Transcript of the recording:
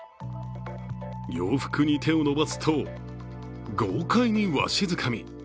洋服に手を伸ばすと豪快にわしづかみ。